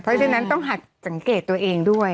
เพราะฉะนั้นต้องหัดสังเกตตัวเองด้วย